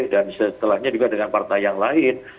dan setelahnya juga dengan partai yang lain